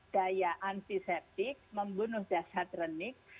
daya antiseptik membunuh dasar kronik